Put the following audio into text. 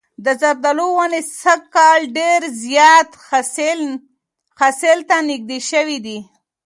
د زردالو ونې سږ کال ډېر زیات حاصل ته نږدې شوي دي.